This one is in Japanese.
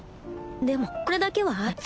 でもこれだけはある。